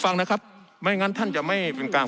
ฟังนะครับไม่งั้นท่านจะไม่เป็นการ